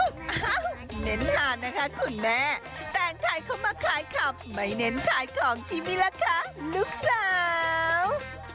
เอ้าเน้นหานะคะคุณแม่แต่งไทยเข้ามาขายขับไม่เน้นขายของชิมิล่ะคะลูกสาว